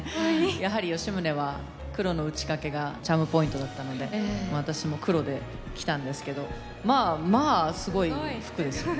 やはり吉宗は黒の打ち掛けがチャームポイントだったので私も黒で来たんですけどまあまあすごい服ですよね。